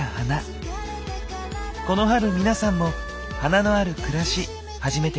この春皆さんも花のある暮らし始めてみませんか？